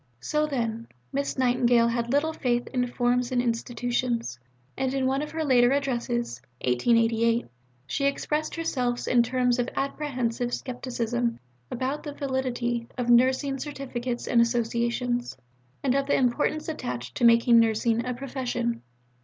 So, then, Miss Nightingale had little faith in forms and institutions, and in one of her later Addresses (1888) she expressed herself in terms of apprehensive scepticism about the validity of nursing Certificates and Associations, and of the importance attached to making nursing a "Profession."